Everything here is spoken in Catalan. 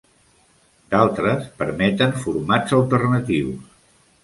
D'altres permeten formats alternatius.